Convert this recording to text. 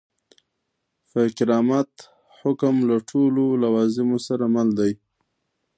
پر کرامت حکم له ټولو لوازمو سره مل دی.